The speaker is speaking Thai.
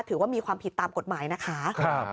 ถือว่ามีความผิดตามกฎหมายนะคะ